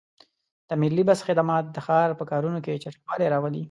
د ملي بس خدمات د ښار په کارونو کې چټکوالی راولي.